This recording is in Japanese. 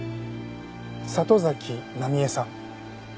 里崎奈美絵さん。